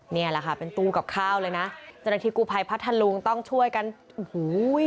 นี่แหละค่ะเป็นตู้กับข้าวเลยนะเจ้าหน้าที่กู้ภัยพัทธลุงต้องช่วยกันโอ้โห